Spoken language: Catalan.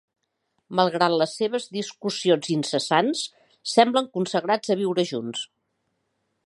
Malgrat les seves discussions incessants, semblen consagrats a viure junts.